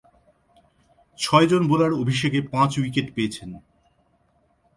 ছয়জন বোলার অভিষেকে পাঁচ উইকেট পেয়েছেন।